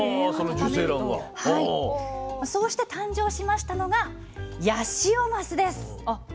そうして誕生しましたのがヤシオマスです。